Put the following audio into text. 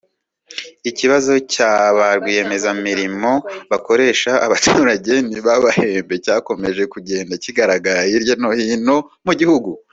Ikibazo cya ba Rwiyemezamimirimo bakoresha abaturage ntibabahembe cyakomeje kugenda kigaragara hirya no hino mu gihugu